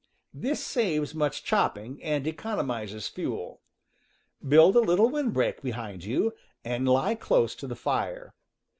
This saves much chopping, and economizes fuel. Build a little windbreak behind you, and lie close to the fire.